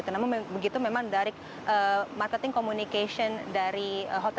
namun begitu memang dari marketing komunikasi dari hotel raffles